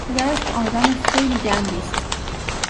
پدرش آدم خیلی گندی است.